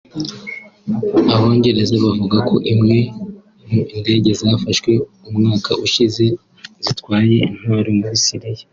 Abongereza bavugako imwe mu indege zafashwe umwaka ushize zitwaye intwaro muri Syria